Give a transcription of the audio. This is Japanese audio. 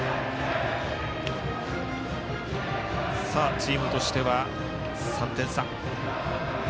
チームとしては３点差。